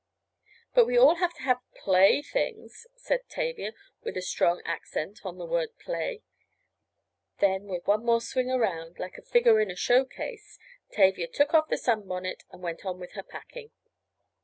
"But we all have to have 'playthings,'" said Tavia, with a strong accent on the word "play." Then, with one more swing around, like a figure in a show case, Tavia took off the sunbonnet and went on with her packing.